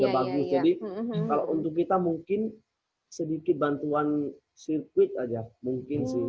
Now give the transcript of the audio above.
jadi kalau untuk kita mungkin sedikit bantuan sirkuit aja mungkin sih